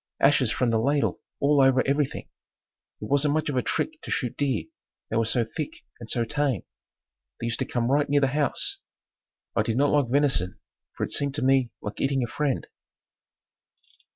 Ashes from the ladle all over everything. It wasn't much of a trick to shoot deer, they were so thick and so tame. They used to come right near the house. I did not like venison for it seemed to me like eating a friend.